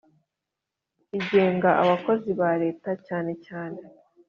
Igenga abakozi ba leta cyane cyane